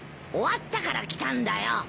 終わったから来たんだよ。